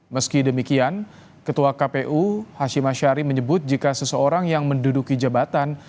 meski demikian ketua kpu hashim ashari menyebut jika seseorang yang menduduki jabatan